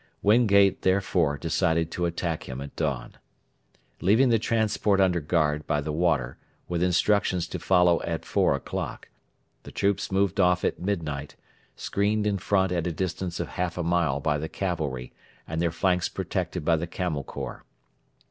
Wingate, therefore, decided to attack him at dawn. Leaving the transport under guard by the water with instructions to follow at four o'clock, the troops moved off at midnight, screened in front at a distance of half a mile by the cavalry and their flanks protected by the Camel Corps.